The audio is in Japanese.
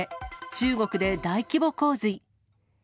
中国で大規模洪水。